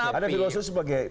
ada filosofi sebagai